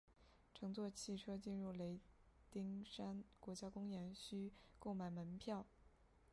乘坐汽车进入雷丁山国家公园需购买门票。